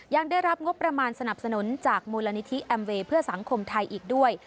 ยังได้รับงบประมาณสนับสนุนจากมูลนิธิแอมเวย์เพื่อสังคมไทยอีกด้วย